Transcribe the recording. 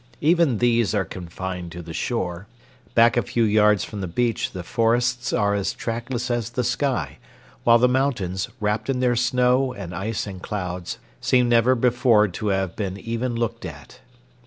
Even these are confined to the shore. Back a few yards from the beach the forests are as trackless as the sky, while the mountains, wrapped in their snow and ice and clouds, seem never before to have been even looked at.